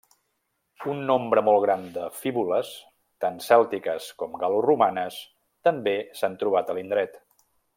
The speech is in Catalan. Un nombre molt gran de fíbules, tant cèltiques com gal·loromanes, també s'han trobat a l'indret.